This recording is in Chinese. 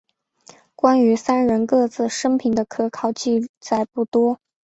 关于三人各自生平的可考记载不多。